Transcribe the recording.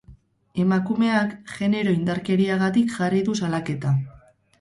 Emakumeak genero-indarkeriagatik jarri du salaketa.